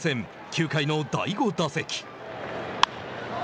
９回の第５打席。